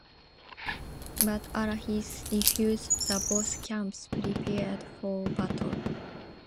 But Alahis refused and both camps prepared for battle.